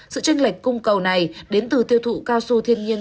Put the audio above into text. sự tranh lệch cung cầu này đến từ tiêu thụ cao su thiên nhiên